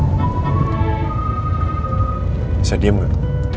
bisa diem gak